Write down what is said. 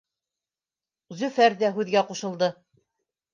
Зөфәр ҙә һүҙгә ҡушылды: